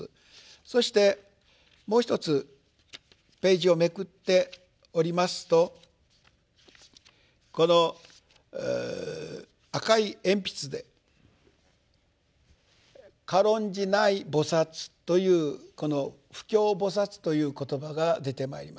そしてもう一つページをめくっておりますとこの赤い鉛筆で軽んじない菩薩というこの「不軽菩薩」という言葉が出てまいります。